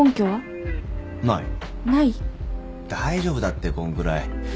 大丈夫だってこんくらい。